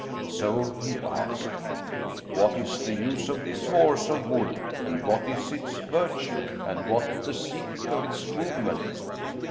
So he asked, "What is the use of this horse of wood, and what is its virtue and what the secret of its movement?"